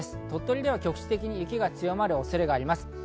鳥取では局地的に雪が強まる恐れがあります。